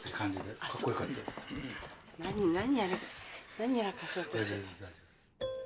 何やらかそうとして。